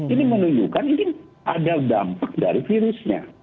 ini menunjukkan mungkin ada dampak dari virusnya